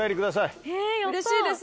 うれしいです。